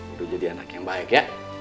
itu jadi anak yang baik ya